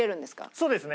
そうですね。